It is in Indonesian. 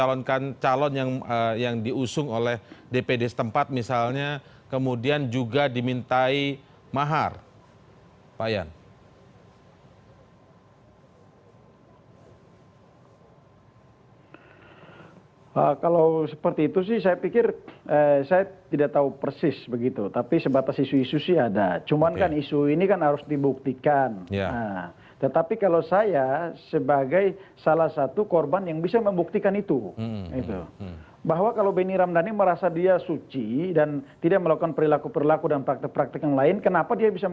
orang orang yang sering melakukan praktek praktek liar